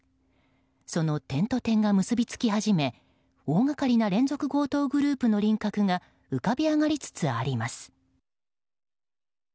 その点と点が結びつき始め大がかりな連続強盗グループの輪郭が浮かび上がりつつあります。